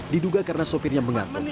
diduga karena sopirnya mengantuk